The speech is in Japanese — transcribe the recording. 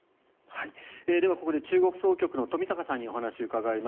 では、ここで中国総局の冨坂さんにお話を伺います。